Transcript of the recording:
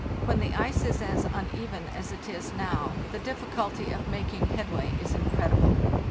When the ice is as uneven as it is now, the difficulty of making headway is incredible.